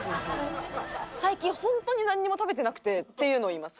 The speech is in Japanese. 「最近ホントになんにも食べてなくて」っていうのを言います。